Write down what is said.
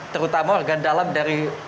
terutama organ dalam dari